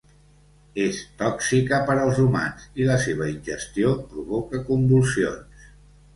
És tòxica per als humans i la seva ingestió provoca convulsions.